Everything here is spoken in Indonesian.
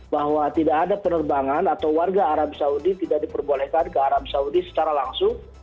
bahwa tidak ada penerbangan atau warga arab saudi tidak diperbolehkan ke arab saudi secara langsung